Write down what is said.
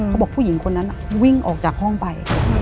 ผู้หญิงคนนั้นวิ่งออกจากห้องไป